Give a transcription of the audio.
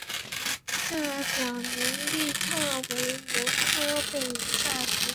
这表明利特维年科被人下毒。